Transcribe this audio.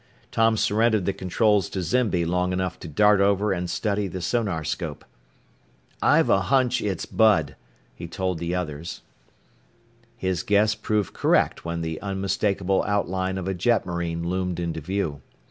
Tom surrendered the controls to Zimby long enough to dart over and study the sonarscope. "I've a hunch it's Bud," he told the others. His guess proved correct when the unmistakable outline of a jetmarine loomed into view.